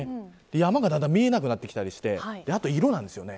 山がだんだん見えなくなってきたりしてあと色なんですよね。